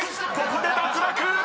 ここで脱落！］